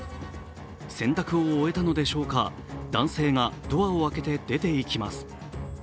洗濯を終えたのでしょうか、男性がドアを開けて出ていきます。